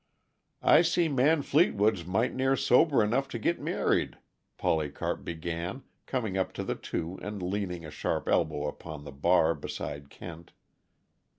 "I see Man Fleetwood's might' near sober enough to git married," Polycarp began, coming up to the two and leaning a sharp elbow upon the bar beside Kent.